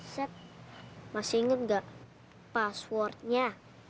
set masih inget gak password nya